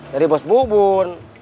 dari bos bubun